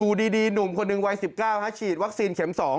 อยู่ดีหนุ่มคนหนึ่งวัย๑๙ฉีดวัคซีนเข็ม๒